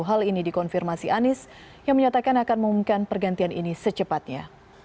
hal ini dikonfirmasi anies yang menyatakan akan mengumumkan pergantian ini secepatnya